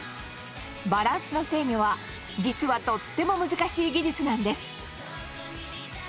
バランスの制御は実はとっても難しい技術なんです。